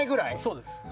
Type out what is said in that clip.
そうです。